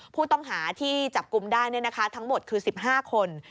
ผู้ต้องหาที่จับกลุ่มได้ทั้งหมดคือ๑๕คน